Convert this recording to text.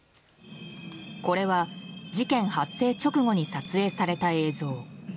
これは事件発生直後に撮影された映像。